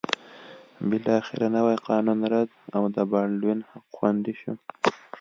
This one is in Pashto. بالاخره نوی قانون رد او د بالډوین حق خوندي شو.